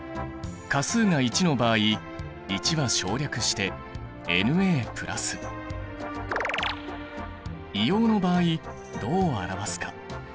価数が１の場合１は省略して硫黄の場合どう表すか？